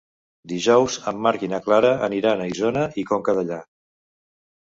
Dijous en Marc i na Clara aniran a Isona i Conca Dellà.